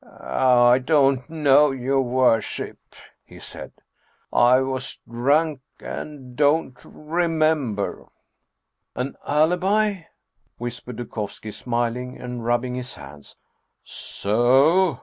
" I don't know, your worship," he said. " I was drunk and don't remember." " An alibi !" whispered Dukovski, smiling, and rubbing his hands. " So o